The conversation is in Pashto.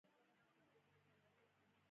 نيم پخه لوبیا معده دردوي.